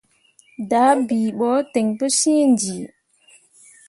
Dah bii ɓo ten pu siŋ di iŋ.